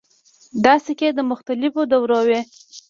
دا سکې د مختلفو دورو وې